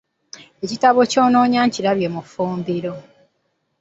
Ekitabo ky'onoonya nkirabye mu ffumbiro.